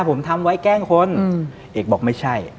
ผมทำไว้แกล้งคนเอกบอกไม่ใช่